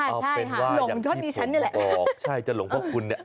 เอาเป็นว่าอยากที่ผู้บอกใช่จะหลงพวกคุณเนี่ย